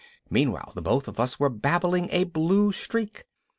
Meanwhile the both of us were babbling a blue streak.